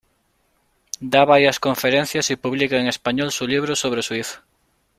Da varias conferencias y publica en español su libro sobre Suiza.